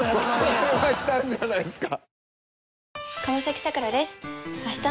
これはきたんじゃないですか。